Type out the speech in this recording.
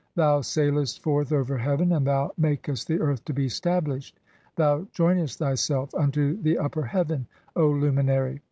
Thou sailest forth over heaven, and thou "makest the earth to be stablished ; thou joinest thyself unto the "upper heaven, O Luminary.